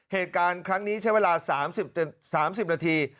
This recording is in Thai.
เหตุการณ์ครั้งนี้ใช้เวลา๓๐นาที